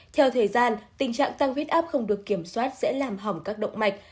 theo thời gian tình trạng tăng huyết áp không được kiểm soát sẽ làm hỏng các động mạch